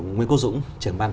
nguyễn quốc dũng trưởng ban